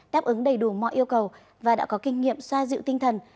đáp ứng đầy đủ mọi yêu cầu và đã có kinh nghiệm xoa dịu tinh thần